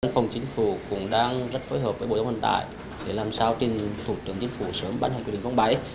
phòng chính phủ cũng đang rất phối hợp với bộ giao thông vận tải để làm sao tìm thủ tướng chính phủ sớm bán hành quyết định bảy